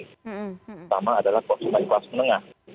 pertama adalah konsumen kelas menengah